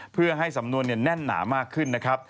เพื่อให้สำนวนแน่นหนามากขึ้นนะครับ